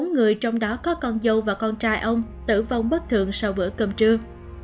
sáu người trong đó có con dâu và con trai ông tử vong bất thường sau bữa cơm trưa